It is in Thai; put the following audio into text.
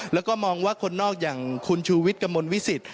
และก็มองว่าคนนอกอย่างคุณชูวิตกะมกวีศิษย์